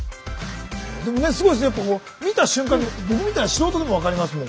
でもねすごいですね見た瞬間に僕みたいな素人でも分かりますもん。